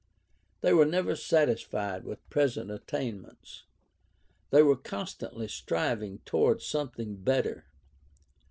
They were never satisfied with present attainments. They were constantly striving toward something better.